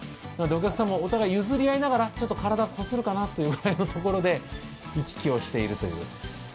お客さんも譲り合いながら体、こするかなというところで行き来をしているという。